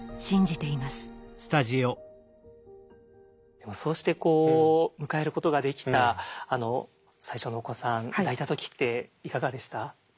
でもそうしてこう迎えることができた最初のお子さん抱いた時っていかがでした？